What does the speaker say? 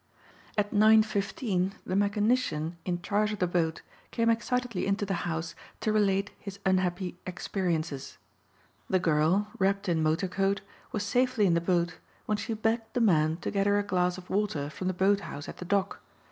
At nine fifteen the mechanician in charge of the boat came excitedly into the house to relate his unhappy experiences. The girl, wrapped in motor coat, was safely in the boat when she begged the man to get her a glass of water from the boat house at the dock.